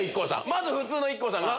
まず普通のＩＫＫＯさんな。